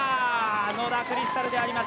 野田クリスタルであります。